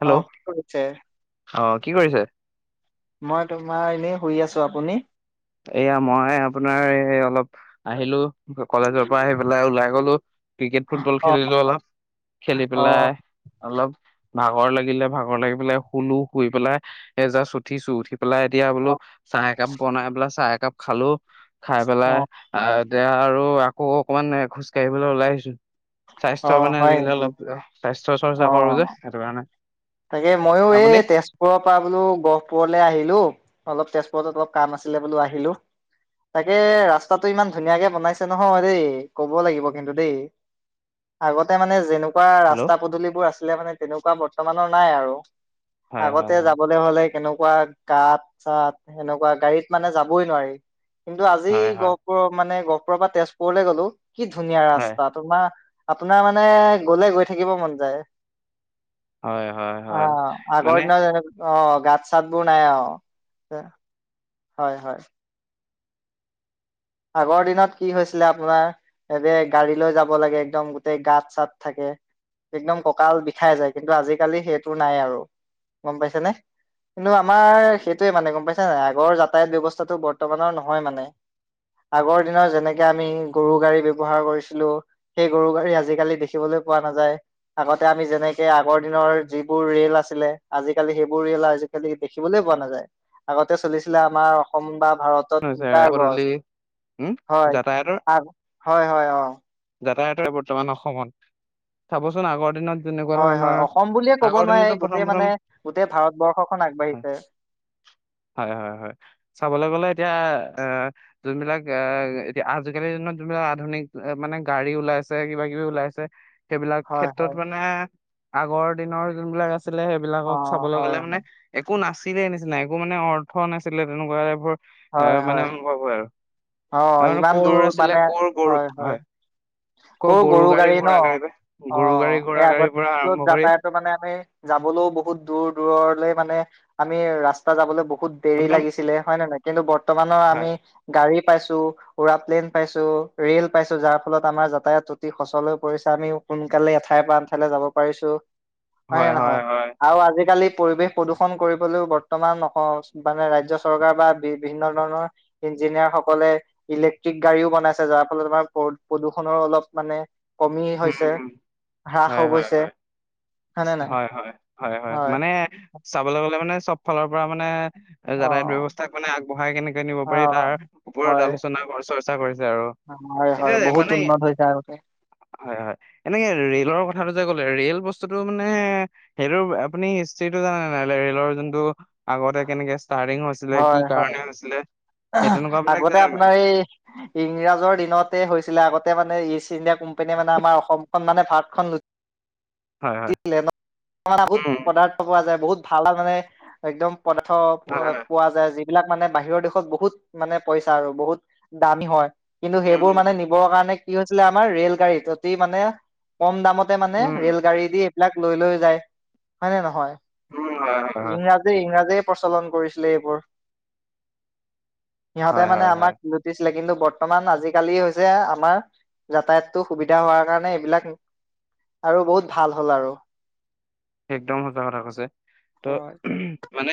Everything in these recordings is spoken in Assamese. হেল্ল' অ', কি কৰিছে? অ', কি কৰিছে? মই তোমাৰ এনেই শুই আছোঁ, আপুনি? এয়া মই আপোনাৰ এই অলপ আহিলোঁ, কলেজৰ পৰা আহি পেলাই ওলাই গ'লো ক্ৰিকেট ফুটবল অ খেলিলো অলপ, খেলি অ পেলাই অলপ ভাগৰ লাগিলে, ভাগৰ লাগি পেলাই শুলো, শুই পেলাই এজাছ উঠিছো, উঠি পেলাই এতিয়া বোলো অ চাহ একাপ বনাই পেলা চাহ একাপ খালোঁ। খাই অ পেলাই, আ এয়া আৰু আকৌ অকণমান খোজ কাঢ়িবলৈ ওলাই আহিছোঁ। স্বাস্থ্য অ মানে হয় আজিকালি নেকি? অলপ স্বাস্থ্য অ চৰ্চা কৰো যে, সেইটো কাৰণে। তাকে মইয়ো এ, আপুনি তেজপুৰৰ পৰা বোলো গহপুৰ লে আহিলোঁ অলপ তেজপুৰত অলপ কাম আছিলে বোলো আহিলোঁ তাকে ৰাস্তাটো ইমান ধুনীয়াকে বনাই নহয় দেই কব লাগিব কিন্তু দেই, আগতে মানে যেনে কুৱা হেল্ল' ৰাস্তা পদূলিবোৰ আছিলে মানে তেনেকুৱা বৰ্ত। মানৰ নাই আৰু। হয় হয় আগতে যাবলে হ'লে কেনে। কুৱা গাত চাত সেনেকুৱা গাড়ীত মানে যাবই নোৱাৰি। কিন্তু আজি হয় হয় গহপুৰত মানে গহ। পুৰৰ পৰা তেজপুৰলে গ'লো। কি ধুনীয়া হয় ৰাস্তা তোমাৰ। আপোনাৰ মানে গলে গৈ থাকিব মন যায়। হয় হয় অ হয়, আগৰ মানে দিনত যেনে অ', গাত চাত বোৰ নাই অ হয় হয়। আগৰ দিনত কি হৈছিলে আপোনাৰ এতে গাড়ী লৈ যাব লাগে একদম গোটেই গাঁত চাত থাকে একদম কঁকাল বিষাই যায় কিন্তু আজিকালি সেইটো নাই আৰু গম পাইছেনে কিন্তু আমাৰ সেইটোৱে মানে গম পাইছে নে আগৰ যাতায়াত ব্যৱস্থাটো বৰ্তমানৰ নহয় মানে আগৰ দিনৰ যেনেকে আমি গৰু গাড়ী ব্যৱহাৰ কৰিছিলো সেই গৰু গাড়ী আজিকালি দেখিবলৈ পোৱা নাযায় আগতে আমি যেনেকে আগৰ দিনৰ যিবোৰ ৰেল আছিলে আজিকালি সেইবোৰ ৰেল আজিকালি দেখিবলৈ পোৱা নাযায় আগতে চলিছিলে আমাৰ অসম বা ভাৰতত মিটাৰ পদূলি গজ উম হয় যাতায়তৰ আগ হয় হয় অ যাতায়তৰে বৰ্তমান অসমত চাবচোন আগৰ দিনত যেনেকুৱা হয় হয় ধৰণৰ অসম বুলিয়ে কব আগৰ দিনতো নোৱাৰি প্ৰথম গোটেই প্ৰথম মানে গোটেই ভাৰতবৰ্ষখন আগবাঢ়িছে হয় আহ যোনবিলাক আহ এতিয়া আজিকালিৰ দিনত যোনবিলাক আধুনিক মানে গাড়ী ওলাইছে কিবা কিবি ওলাইছে সেইবিলাক হয় ক্ষেত্ৰত হয় মানে আগৰ দিনৰ যোনবিলাক আছ আছিলে অ সেইবিলাকক চাবলৈ হয় গ'লে মানে হয় একো নাছ ছিলে নিচিনা একো মানে অৰ্থ নাছিলে তেনেকুৱা টাইপৰ এ হয় মানে হয় অনুভৱ হয় আৰু অ ইমান কৰ দূৰ আছিলে মানে কৰ গৰু হয় হয় আকৌ ক'ৰ গৰু গাড়ী ন ঘোঁৰা বা অ গৰু গাড়ী ঘোঁৰা সেই গাড়ীৰ পৰা আগতেতো আৰম্ভ কৰি যাতায়তো মানে আমি যাবলৈও বহু বহুত দূৰ দূৰলৈ মানে আমি ৰাস্তা যাবলে [unintelligible] বহুত দেৰি আপোনাৰ লাগিছিলে হয় নে নাই কিন্তু বৰ্তমানৰ আমি হয় গাড়ী পাইছো উৰা প্লেইন পাইছো ৰেল পাইছো যাৰ ফলত আমাৰ যাতায়াত অতি সচল হৈ পৰিছে আমি সোনকালে এঠাইৰ পৰা আনঠাইলৈ যাব পাৰিছোঁ। হয় নে নহয় আৰু আজিকালি পৰিৱেশ প্ৰদূষণ কৰিবলৈও বৰ্তমান অ মানে ৰাজ্য চৰকাৰ বা বি বিভিন্ন ধৰণৰ ইঞ্জিনিয়াৰসক- -লে ইলেক্ট্ৰিক গাড়ীও বনাইছে যাৰ ফলত তোমাৰ প্ৰদূষণৰো অলপ মানে কমি উম হৈছে উম হ্ৰাস হয় হৈ হয় গৈছে হয় হয়নে নাই? হয় হয় হয় হয় মানে। চাবলৈ গলে মানে চব ফালৰ পৰা মানে। অ যাতায়াত ব্যৱস্থাক মানে আগবঢ়াই কেনেকে নিব অ পাৰি তাৰ ওপৰত হয় আলোচনা। [unintelligible] [unintelligible] আৰু হয় হয় এতিয়া বহুত মানে উন্নত হৈছে আগতে হয় হয় এনেকে ৰেলৰ কথ। [unintelligible] ক'লে ৰে'ল বস্ত। -স্তুটো মানে সেইটো আপুনি হিষ্ট্ৰীটো জানে নাই ৰে'লৰ যোনটো আগতে কেনেকে। ষ্টাৰ্টিং হৈছিলে কি হয় হয় কাৰণে হৈছিলে। সেই তেনেকুৱা বিলাক আগতে জানে নাই আপোনাৰ এই ইংৰাজৰ দিনতে হৈছিলে। আগতে মানে ইষ্ট ইণ্ডিয়া কোম্পানীয়ে মানে আমাৰ অসমখন মানে ভাৰতখন। হয় হয় [unintelligible] বহুত উম পদাৰ্থ পোৱা যায় বহুত। ভাল মানে একদম। পদাৰ্থ হয় হয় পোৱা যায় যি। এইবিলাক মানে বাহিৰৰ দেশত। বহুত মানে পইচা আৰু বহুত দামী হয়। কিন্তু উম সেইবোৰ উম মানে নিবৰ কাৰণে। কি হৈছিলে আমাৰ ৰেল-গাড়ীত অতি মানে কম দামত। মানে উম ৰেল-গাড়ী দি। বিলাক লৈ লৈ যায় হয়নে নহয়। উম হয় হয় ইংৰাজী ইংৰাজী। প্ৰচলন কৰিছিলে এইবোৰ। সিহঁতে হয় মানে হয় হয় আমাক লুটিছিলে কিন্তু। বৰ্তমান আজিকালি হৈছে আমাৰ যাতায়াতটো সুবিধা হোৱাৰ কাৰণে এইবিলাক আৰু বহুত ভাল হ'ল আৰু। একদম সচাঁ কথা কৈছে ত'। হয়, মানে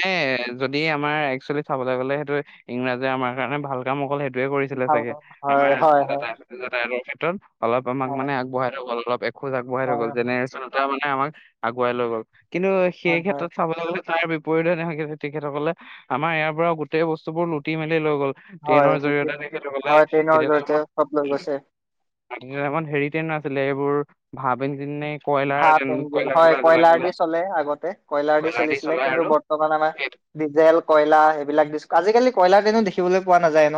যদি আমাৰ একচুৱেলি চাবলৈ গ'লে সেইটো ইংৰাজে আমাৰ কাৰণে ভাল কাম অকল সেইটো। কৰিছিলে ভাল চাগে হ'ল। হয় আমাৰ হয় হয় যাতায়তৰ ক্ষেত্ৰত অলপ আমাক হয় মানে আগবঢ়াই থৈ গ'ল অলপ। খোজ আগবঢ়াই থৈ গ'ল হয় যেনে। আমাক। বঢ়াই লৈ গ'ল। কিন্তু সেই হয় হয়। ক্ষেত্ৰত চাবলৈ গ'লে। তাৰ বিপৰীতে নহয় তেখেতসকলে আমাৰ ইয়াৰ পৰা গোটেই বস্তু বোৰ লুটি মেলি লৈ গ'ল। হয় ট্ৰেইনৰ লুটিয়ে জৰিয়তে তেখেতসকলে হয় ট্ৰেইনৰ তেতিয়া জৰিয়তে টাইমত চব লৈ গৈছে। টাইমত হেৰি ট্ৰেইন নাছিলে এইবোৰ। ভাব ইঞ্জিন নে। কয়লাৰ ভাব ট্ৰেইন- ইঞ্জিন কয়লা হয়। চলা জ্বলাই কয়লাৰ দি চলাই চলে আগতে কয়লাৰ দি চলিছিলে কিন্তু বৰ্তমান আমাৰ সেইটো ডিজেল কয়লাৰ সেইবিলাক। আজিকালি কয়লাৰ ট্ৰেইন দেখিবলৈ পোৱা নাযায় ন।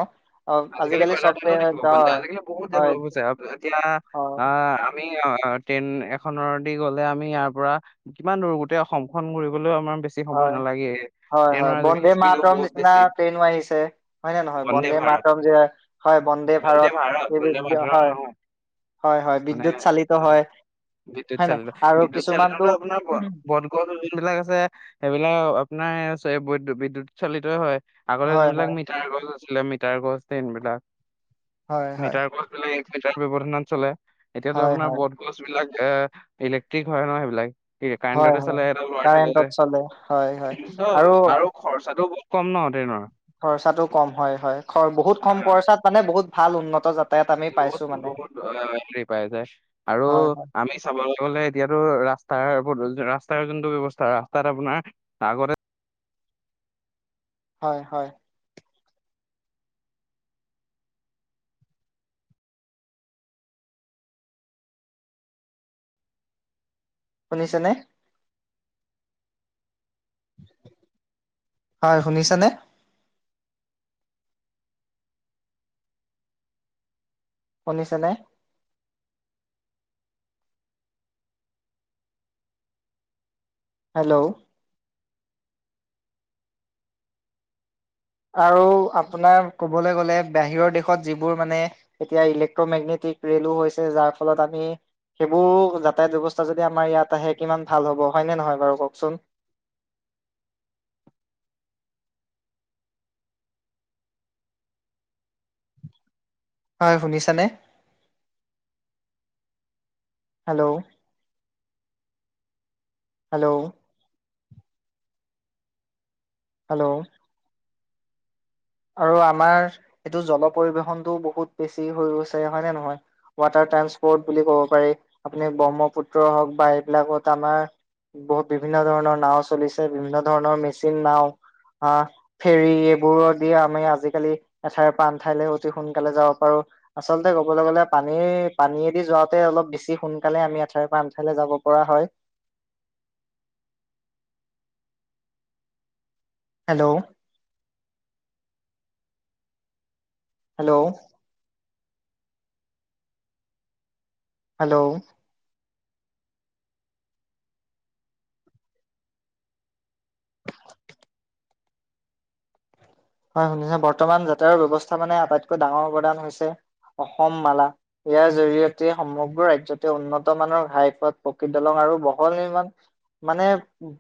অ আজিকালি কয়লা চব ট্ৰেইনো ট্ৰেইন দেখিব পোৱা যায় হয় আজিকালি বহুত হয় ডেভলপ হৈছে এতিয়া হয়। আহ আমি। অ ট্ৰেইন এখনৰ দি গ'লে আমি ইয়াৰ পৰা কিমান দূৰ গোটেই অসমখন ঘূৰিবলৈও আমাৰ। বেছি সময় হয়, নালাগে হয়, ট্ৰেইনৰ হয় আজিকালি বন্দে স্পীডো মাৰতম বহুত নিচিনা বেছি ট্ৰেইনো আহিছে হয় নে নহয় বন্দে মাতৰম। যে হয়, বন্দে ভাৰত এই বি- বন্দে বি- মাতৰম হয়, নহয় হয়, হয়, মানে, বিদ্যুৎ চালিত হয়, বিদ্যুৎ হয় চাল নাই? আৰু বিদ্যুৎ চালিতো কিছুমানটো আপোনাৰ বটগছ যোনবিলাক আছে। সেইবিলাক আপোনাৰ বিদ্যুৎ চালিত হয়। আগতে হয়, যোনবিলাক হয়, মিটাৰ গছ। আছিলে মিটাৰ গছ। এইনবিলাক। হয়, হয়, মিটাৰ গছ বিলাক। সেই তাৰ ব্যৱধানত চলে।। এতিয়াতো হয়, হয়, আপোনাৰ বত গছ বিলাক। এ ইলেক্ট্ৰিক হয় ন সেইবিলাক। কি হয়, কাৰেণ্টতে হয়। চলে এই ডাল উৱা থাকিলে যে কাৰেণ্টত চলে হয়, হয় আৰু খৰচাটো বহু। খৰচাটো কম হয়, হয়। বহুত কম খৰচাত পালে বহুত। ভাল উন্নত যাত। বহুত বহুত হেৰি পাই যায়। আৰু হয়, হয়, আমি চাব। গ'লে এতিয়াতো ৰাস্তাৰ ৰাস্তাৰ যোনটো ব্যৱস্থা ৰাস্তাত আপোনাৰ আগতে। হয় হয়। শুনিছে নে। হয় শুনিছা নে। শুনিছানে। হেল্ল'। আৰু আপোনাৰ কবলৈ গলে বাহিৰৰ দেশত যিবোৰ মানে এতিয়া ইলেক্ট্ৰমেগনেটিক ৰেলো হৈছে যাৰ ফলত আমি সেইবোৰ যাতায়াত ব্যৱস্থা যদি আমাৰ ইয়াত আহে কিমান ভাল হ'ব হয়নে নহয় বাৰু কওঁকচোন। হয় শুনিছেনে। হেল্ল'। হেল্ল'। হেল্ল'। আৰু আমাৰ এইটো জল পৰিবেশনতটো বহুত বেছি হৈ গৈছে। হয় নে নহয় ৱাটাৰ ট্ৰানসপৰ্ট বুলি কব পাৰি আপুনি ব্ৰহ্মপুত্ৰ হওক বা এইবিলাকত আমাৰ বহুত বিভিন্ন ধৰণৰ নাও চলিছে বিভিন্ন ধৰণৰ মেচিন নাও আহ ফেৰী এইবোৰত। আমি আজিকালি এঠাইৰ পৰা আন ঠাইলৈ অতি সোনকালে যাব পাৰো। আচলতে কবলৈ গলে পানী পানীয়েদি যোৱাতে অলপ বেছি সোনকালে আমি এঠাইৰ পৰা আন ঠাইলে যাব পৰা হয়। হেল্ল'। হেল্ল'। হেল্ল'। হয় শুনিছেনে বৰ্তমান যাতায়ৰ ব্যয়ৱস্থা মানে আটাইতকৈ ডাঙৰ প্ৰদান হৈছে অসম মালা ইয়াৰ জৰিয়তে সমগ্ৰ ৰাজ্যতে উন্নত মানৰ ঘাইপথ প্ৰকৃত দলং আৰু বহল নিৰ্মাণ মানে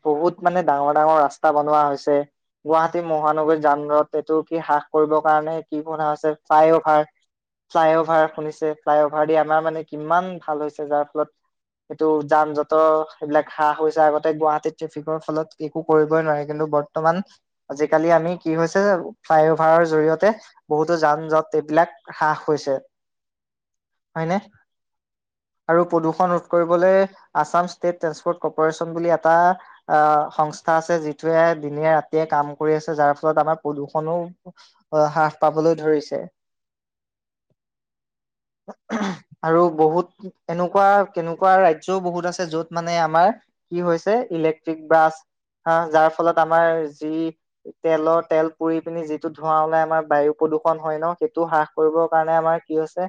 বহুত মানে ডাঙৰ ডাঙৰ ৰাস্তা বনোৱা হৈছে। গুৱাহাটী মহানগৰী যান জঁট এইটো কি হ্ৰাস কৰিবৰ কাৰণে কি বনা হৈছে ফ্লাইঅভাৰ ফ্লাইঅভাৰ শুনিছে ফ্লাইঅভাৰ দি আমাৰ মানে কিমান ভাল হৈছে যাৰ ফলত এইটো যান জঁটৰ এইবিলাক হ্ৰাস হৈছে আগতে গুৱাহাটীত ট্ৰেফিকৰ ফলত একো কৰিবই নোৱাৰে কিন্তু বৰ্তমান আজিকালি আমি কি হৈছে। ফ্লাই অভাৰৰ জৰিয়তে বহুতো যান-জট এইবিলাক হ্ৰাস হৈছে, হয়নে? আৰু প্ৰদূষণ ৰোধ কৰিবলৈ আছাম ষ্টেট ট্ৰেন্সপৰ্ট কপৰেচন বুলি এটা আ সংস্থা আছে, যিটোৱে দিনে-ৰাতিয়ে কাম কৰি আছে, যাৰ ফলত আমাৰ প্ৰদূষণো হ্ৰাস পাবলৈ ধৰিছে, আৰু বহুত এনেকুৱা, কেনেকুৱা ৰাজ্যও বহুত আছে যত মানে আমাৰ কি হৈছে, ইলেক্ট্ৰিক বাছ, হ যাৰ ফলত আমাৰ যি তেলৰ তেল পুৰি পিনি যিটো ধোৱা ওলাই আমাৰ বায়ু প্ৰদূৰণ হয় ন, সেইটো হ্ৰাস কৰিবৰ কাৰণে আমাৰ কি হৈছে,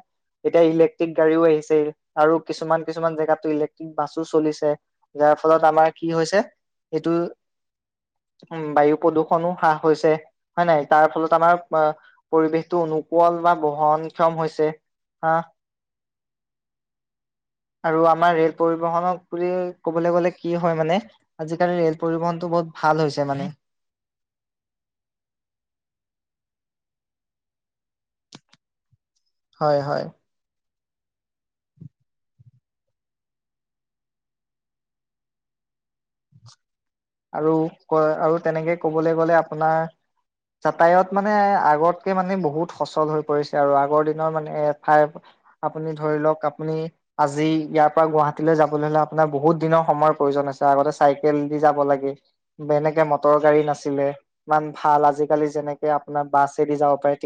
এতিয়া ইলেক্ট্ৰিক গাড়ীও আহিছে আৰু কিছুমান কিছুমান জেগাতো ইলেক্ট্ৰিক বাছো চলিছে, যাৰ ফলত আমাৰ কি হৈছে, এইটো উ বায়ু প্ৰদূৰ্ষনো হ্ৰাস হৈছে। হয়ে নাই? তাৰ ফলত আমাৰ পৰিবেশটো অনুকল বা বহনক্ষম হৈছে হা, আৰু আমাৰ ৰেল পৰিবহনক বুলি কবলৈ গ'লে কি হয় মানে, আজিকালি ৰেল পৰিবহনটো বহুত ভাল হৈছে মানে। হয়, হয়। আৰু ক আৰু তেনেকে কবলৈ গলে আপোনাৰ, যাতায়ত মানে আগতকে মানে বহুত সচল হৈ পৰিছে আৰু আগৰ দিনৰ মানে এঠাই, আপুনি ধৰি লওক, আপুনি আজি ইয়াৰ পৰা গুৱাহাটীলৈ যাবলৈ হলে আপোনাৰ বহুত দিনৰ সময় প্ৰয়োজন আছে, আগতে চাইকেল দি যাব লাগে এনেকে মটৰ গাড়ী নাছিলে, ইমান ভাল আজিকালি যেনেকে আপোনাৰ বাছেদি যাব পাৰে